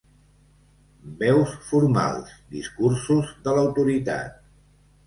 Veus formals: discursos de l'autoritat.